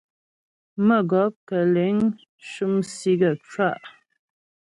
Mə́gɔp kə̂ liŋ shʉm sì gaə́ cwâ'a.